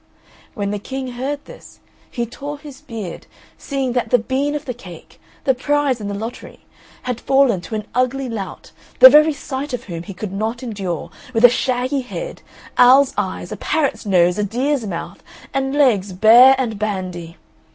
When the King heard this he tore his beard, seeing that the bean of the cake, the prize in the lottery, had fallen to an ugly lout, the very sight of whom he could not endure, with a shaggy head, owl's eyes, a parrot's nose, a deer's mouth, and legs bare and bandy.